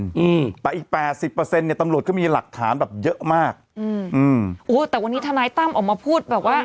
แต่อีก๘๐เนี้ยตำรวจก็มีหลักฐานแบบเยอะมากโอ้โหแต่วันนี้ธนายตั้มออกมาพูดแบบว่า